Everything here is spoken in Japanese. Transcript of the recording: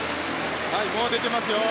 もう出てますよ。